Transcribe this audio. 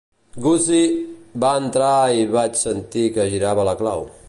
Gussie va entrar i vaig sentir que girava la clau.